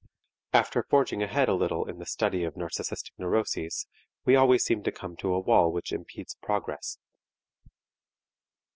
After forging ahead a little in the study of narcistic neuroses we always seem to come to a wall which impedes progress.